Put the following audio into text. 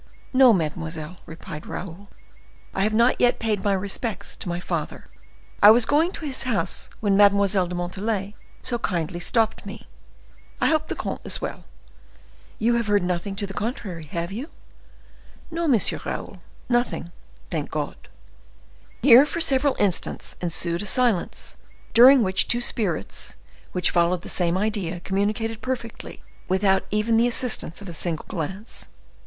"No, mademoiselle," replied Raoul, "I have not let paid my respects to my father; I was going to his house when Mademoiselle de Montalais so kindly stopped me. I hope the comte is well. You have heard nothing to the contrary, have you?" "No, M. Raoul—nothing, thank God!" Here, for several instants, ensued a silence, during which two spirits, which followed the same idea, communicated perfectly, without even the assistance of a single glance.